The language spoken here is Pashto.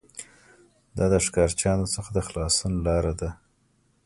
دا د ښکارچیانو څخه د خلاصون لاره ده